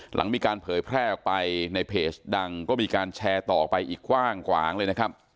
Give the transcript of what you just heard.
หลังมีการเผยแพร่ออกไปในเพจดังก็มีการแชร์ต่อไปอีกกว้างขวางเลยนะครับ